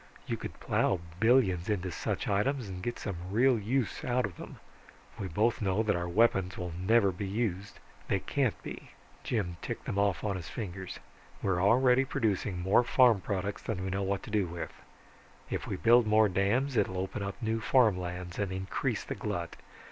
You could plow billions into such items and get some real use out of them. We both know that our weapons will never be used they can't be." Jim ticked them off on his fingers. "We already are producing more farm products than we know what to do with; if we build more dams it'll open up new farm lands and increase the glut.